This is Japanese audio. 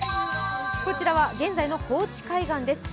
こちらは現在の高知海岸です。